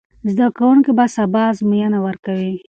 زده کوونکي به سبا ازموینه ورکوي.